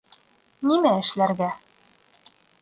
— Нимә эшләргә?